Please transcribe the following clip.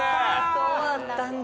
そうだったんだ。